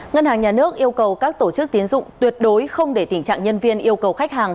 ngân hàng nhà nước yêu cầu các tổ chức tiến dụng tuyệt đối không để tình trạng nhân viên yêu cầu khách hàng